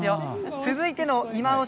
続いてのいまオシ！